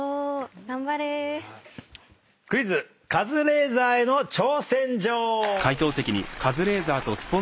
カズレーザーへの挑戦状！